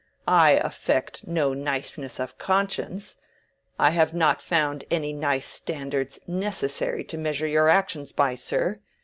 I affect no niceness of conscience—I have not found any nice standards necessary yet to measure your actions by, sir.